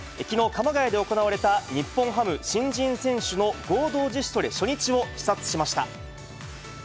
きのう、鎌ケ谷で行われた日本ハム新人選手の合同自主トレ初日を視察しました。